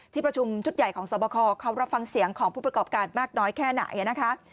ที่ประชุมชุดใหญ่สรรพาคอร์เข้ารับฟังเสียงของผู้ประกอบการมากน้อยแค่ไหน